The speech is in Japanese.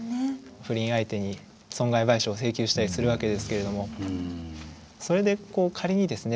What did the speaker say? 不倫相手に損害賠償を請求したりするわけですけれどもそれで仮にですね